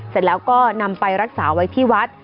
เสร็จแล้วก็นำไปรักษาไว้ที่วัด